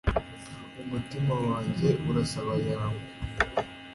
Umutima wanjye urasabayangwa